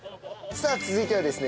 続いてはですね